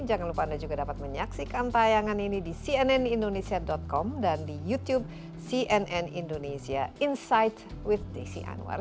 jangan lupa anda juga dapat menyaksikan tayangan ini di cnnindonesia com dan di youtube cnn indonesia insight with desi anwar